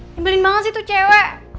nyebelin banget sih tuh cewek